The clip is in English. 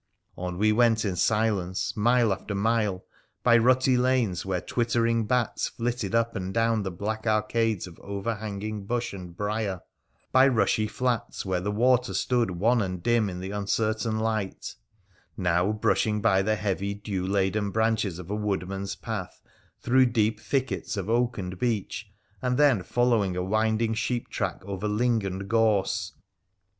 On we went in silence, mile after mile ; by rutty lanes where twittering bats flitted up and down the black arcades of overhanging bush and brier ; by rushy flats where the water stood wan and dim in the uncertain light ; now brushing by the heavy, dew laden branches of a woodman's path through deep thickets of oak and beech, and then follow ing a winding sheep track over ling and gorse.